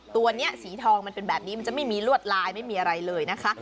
ตัวนี้สีทองมันเป็นแบบนี้มันจะไม่มีลวดลายไม่มีอะไรเลยนะคะ